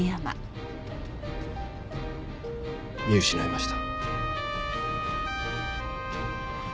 見失いました。